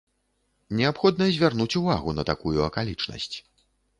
Неабходна звярнуць увагу на такую акалічнасць.